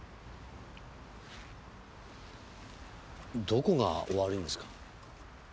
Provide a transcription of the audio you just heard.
どこがお悪いんですか？